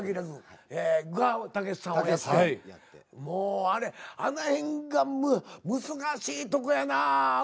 もうあれあの辺が難しいとこやな。